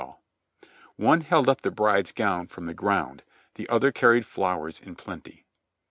One held up her mistress's gown from the ground; the other carried flowers in plenty.